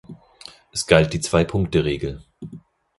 Es galt die Zweipunkteregel.